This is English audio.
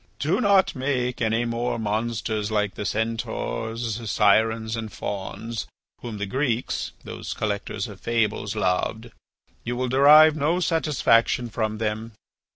Do not make any more monsters like the Centaurs, Sirens, and Fauns, whom the Greeks, those collectors of fables, loved. You will derive no satisfaction from them.